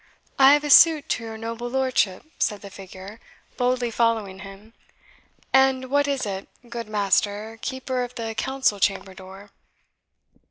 "I have a suit to your noble lordship," said the figure, boldly following him. "And what is it, good master keeper of the council chamber door?"